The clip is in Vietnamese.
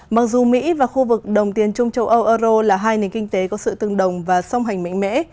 mặc dù mỹ và khu vực đồng tiền chung châu âu euro là hai nền kinh tế có sự tương đồng và song hành mạnh mẽ